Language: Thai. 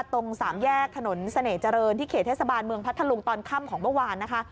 ตรงสามแยกถนนเสน่ห์จรินที่เขตเทศบาลภัทธลุงตอนค่ำของเมื่อวาน